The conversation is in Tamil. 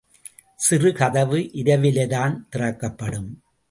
சிறு கதவு இரவிலேதான் திறக்கப்படும்.